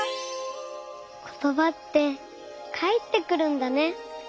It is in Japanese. ことばってかえってくるんだね。